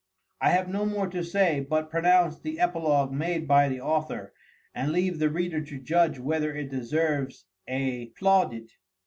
I have no more to say, but pronounce the Epilogue made by the Author, and leave the Reader to judge whether it deserves a Plaudite.